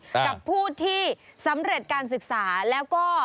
กับผู้ที่สำเร็จการศึกษาแล้วก็